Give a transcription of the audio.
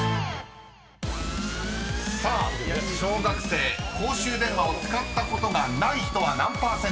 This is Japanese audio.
［さあ小学生公衆電話を使ったことがない人は何％か？］